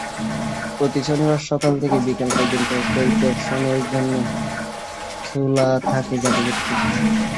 প্রতি শনিবার সকাল থেকে বিকেল পর্যন্ত পরিদর্শনের জন্য খোলা থাকে জাদুঘরটি।